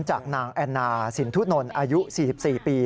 จากนางแอนนาสินทุนนอายุ๔๔ปี